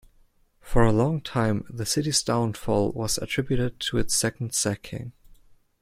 For a long time, the city's downfall was attributed to its second sacking.